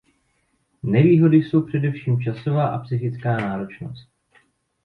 Nevýhody jsou především časová a psychická náročnost.